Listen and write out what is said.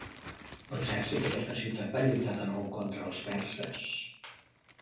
L'exèrcit d'aquesta ciutat va lluitar de nou contra els perses?